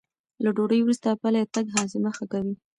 له ډوډۍ وروسته پلی تګ هاضمه ښه کوي.